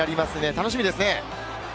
楽しみですね。